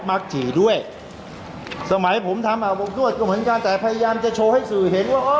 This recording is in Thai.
มากทีด้วยสมัยผมทำอ่ะผมก็เหมือนกันแต่พยายามจะโชว์ให้สื่อเห็นว่า